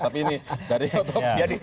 tapi ini dari otopsi